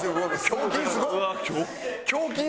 胸筋すごっ！